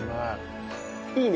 いいね！